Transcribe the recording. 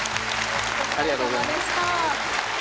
ありがとうございます。